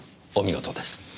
お見事です。